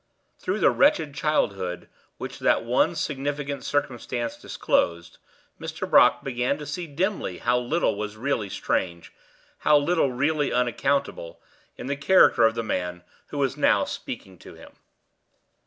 Through the wretched childhood which that one significant circumstance disclosed, Mr. Brock began to see dimly how little was really strange, how little really unaccountable, in the character of the man who was now speaking to him.